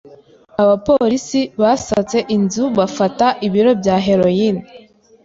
Abapolisi basatse inzu bafata ibiro bya heroine.